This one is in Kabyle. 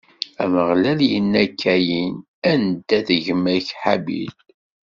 Ameɣlal inna i Kayin: Anda-t gma-k Habil?